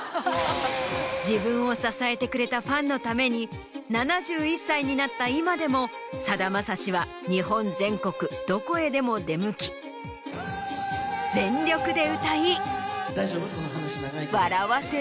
自分を支えてくれたファンのために７１歳になった今でもさだまさしは日本全国どこへでも出向き全力で。